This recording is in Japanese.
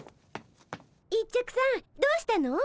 一直さんどうしたの？